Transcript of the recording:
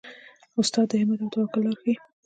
استاد د همت او توکل لاره ښيي.